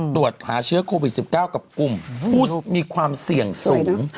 ตรวจหาเชื้อโควิด๑๙กับกลุ่มผู้มีความเสี่ยงสูง